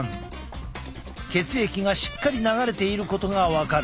血液がしっかり流れていることが分かる。